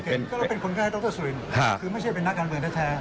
เป็นก็เราเป็นคนใกล้คือไม่ใช่เป็นนักการเมืองแท้แท้